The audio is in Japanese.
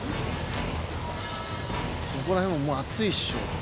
そこら辺ももう熱いっしょ。